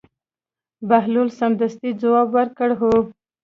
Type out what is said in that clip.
بهلول سمدستي ځواب ورکړ: هو.